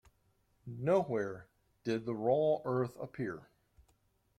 Nowhere did the raw earth appear.